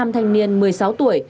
năm thanh niên một mươi sáu tuổi